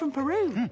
うん。